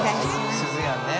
すずやんね。